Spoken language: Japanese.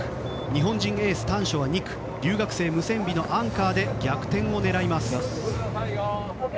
日本人エース丹所は２区留学生ムセンビがアンカーで逆転を狙います。